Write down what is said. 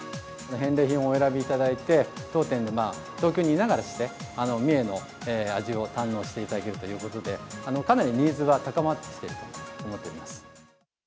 返礼品をお選びいただいて、当店で、東京にいながら三重の味を堪能していただけるということで、かなりニーズは高まってきていると思っております。